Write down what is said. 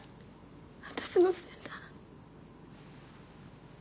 私のせいだ。